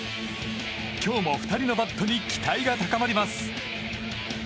今日も２人のバットに期待が高まります。